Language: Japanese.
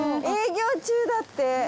営業中だって。